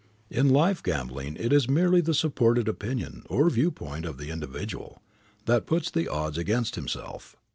In life gambling it is merely the unsupported opinion or viewpoint of the individual that puts the odds against himself.